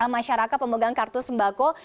masyarakat pemegang kartu sembako